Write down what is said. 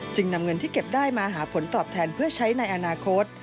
นำเงินที่เก็บได้มาหาผลตอบแทนเพื่อใช้ในอนาคต